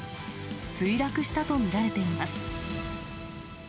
墜落したと見られています。